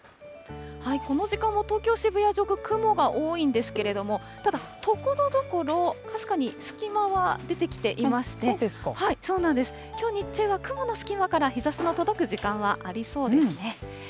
この時間も東京・渋谷上空、雲が多いんですけれども、ただ、ところどころ、かすかに隙間は出てきていまして、きょう日中は雲の隙間から、日ざしの届く時間はありそうですね。